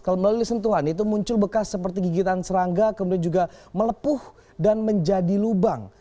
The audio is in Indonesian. kalau melalui sentuhan itu muncul bekas seperti gigitan serangga kemudian juga melepuh dan menjadi lubang